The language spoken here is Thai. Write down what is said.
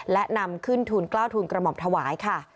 และนำขึ้นทุนกล้าวทุนกระหม่อมถวายค่ะ